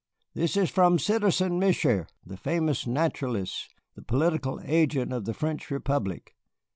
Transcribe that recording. "This is from Citizen Michaux, the famous naturalist, the political agent of the French Republic.